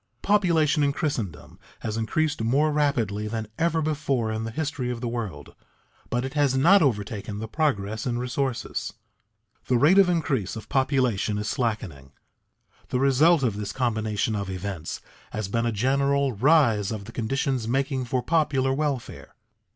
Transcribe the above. Population in Christendom has increased more rapidly than ever before in the history of the world, but it has not overtaken the progress in resources. The rate of increase of population is slackening. The result of this combination of events has been a general rise of the conditions making for popular welfare.